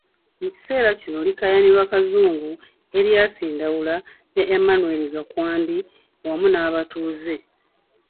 Mu kiseera kino likaayanirwa Kazungu, Erias Ndawula ne Emmanuel Gakwandi wamu n'abatuuze.